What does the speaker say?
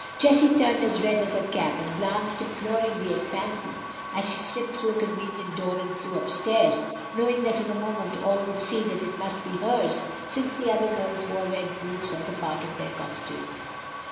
Jessie turned as red as her cap, and glanced imploringly at Fanny as she slipped through a convenient door and flew up stairs, knowing that in a moment all would see that it must be hers, since the other girls wore red boots as a part of their costume.